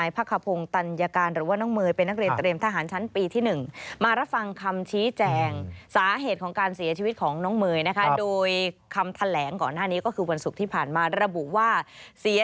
เป็นสาเหตุให้เกิดรอยฟกช้ำทางร่างกาย